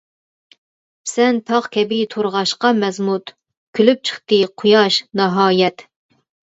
سەن تاغ كەبى تۇرغاچقا مەزمۇت، كۈلۈپ چىقتى قۇياش ناھايەت.